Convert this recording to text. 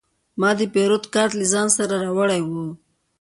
ما د پیرود کارت له ځان سره راوړی و.